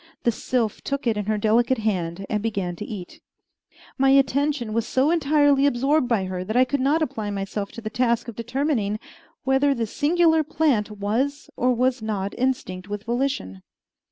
The sylph took it in her delicate hand and began to eat. My attention was so entirely absorbed by her that I could not apply myself to the task of determining whether this singular plant was or was not instinct with volition.